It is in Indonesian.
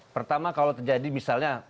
pertama kalau terjadi misalnya